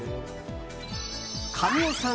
神尾さん